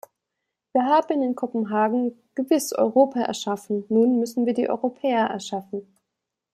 Wir haben in Kopenhagen gewiss Europa erschaffen nun müssen wir die Europäer erschaffen.